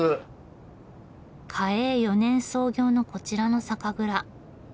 嘉永４年創業のこちらの酒蔵。